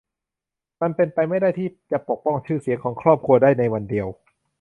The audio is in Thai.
มันเป็นไปไม่ได้ที่จะปกป้องชื่อเสียงของครอบครัวได้ในวันเดียว